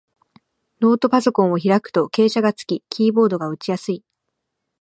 ノートパソコンを開くと傾斜がつき、キーボードが打ちやすい